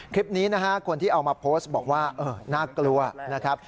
คลิปนี้นะฮะคนที่เอามาโพสต์บอกว่าน่ากลัวนะครับ